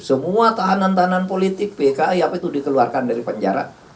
semua tahanan tahanan politik pki apa itu dikeluarkan dari penjara